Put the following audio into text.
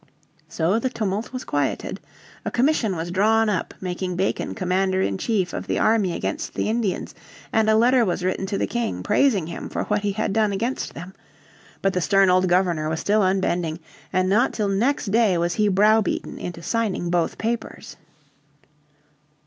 So the tumult was quieted. A commission was drawn up making Bacon Commander in Chief of the army against the Indians, and a letter was written to the King praising him for what he had done against them. But the stern old Governor was still unbending, and not till next day was he browbeaten into signing both papers.